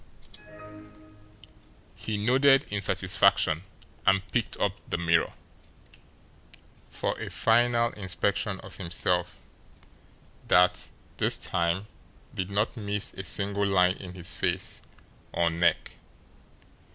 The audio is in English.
He nodded in satisfaction; and picked up the mirror for a final inspection of himself, that, this time, did not miss a single line in his face or neck.